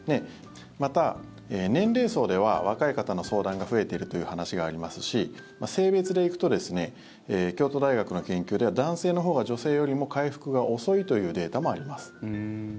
また、年齢層では若い方の相談が増えているという話がありますし性別でいくと京都大学の研究では男性のほうが女性よりも回復が遅いというデータもあります。